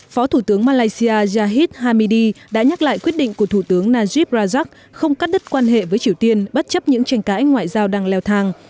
phó thủ tướng malaysia yahid hamidi đã nhắc lại quyết định của thủ tướng najib rajak không cắt đứt quan hệ với triều tiên bất chấp những tranh cãi ngoại giao đang leo thang